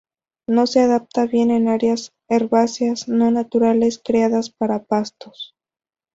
No se adapta bien en áreas herbáceas no naturales creadas para pastos.